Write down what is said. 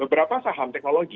beberapa saham teknologi